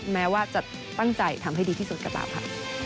แม้ว่าจะตั้งใจทำให้ดีที่สุดก็ตามค่ะ